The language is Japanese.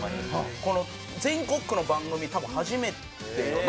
全国区の番組多分初めてのね。